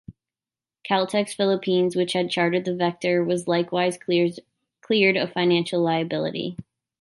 Caltex Philippines, which had chartered the "Vector", was likewise cleared of financial liability.